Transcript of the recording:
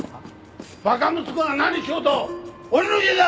馬鹿息子が何しようと俺の家だ！！